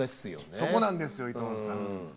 そこなんですよいとうさん。